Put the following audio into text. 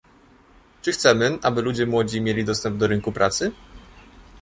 Czy chcemy, aby ludzie młodzi mieli dostęp do rynku pracy?